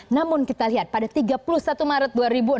namun kita lihat pada tiga puluh satu maret dua ribu enam belas